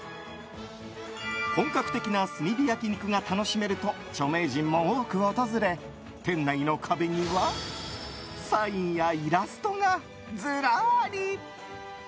本格的な炭火焼肉が楽しめると著名人も多く訪れ店内の壁にはサインやイラストがずらり。